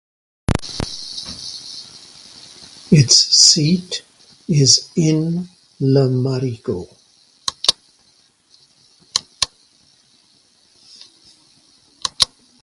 Its seat is in Le Marigot.